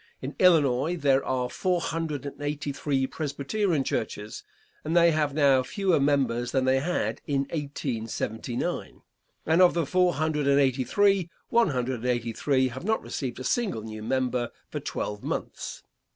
In Illinois there are four hundred and eighty three Presbyterian Churches, and they have now fewer members than they had in 1879, and of the four hundred and eighty three, one hundred and eighty three have not received a single new member for twelve months.